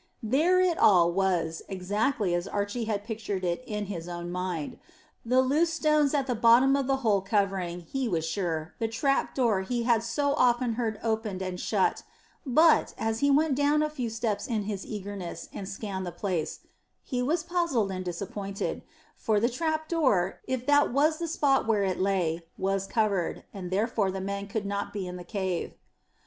There it all was, exactly as Archy had pictured it in his own mind: the loose stones at the bottom of the hole covering, he was sure, the trap door he had so often heard opened and shut; but, as he went down a few steps in his eagerness, and scanned the place, he was puzzled and disappointed; for the trap door, if that was the spot where it lay, was covered, and therefore the men could not be in the cave.